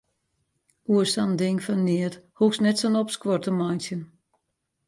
Oer sa'n ding fan neat hoechst net sa'n opskuor te meitsjen.